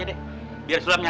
keluar lo cepetan